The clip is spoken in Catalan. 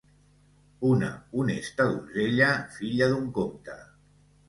Una honesta donzella, filla d'un comte.